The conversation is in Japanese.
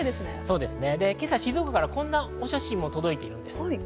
今朝、静岡からこんなお写真も届いています。